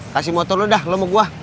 kasih motor lo dah lo mau gua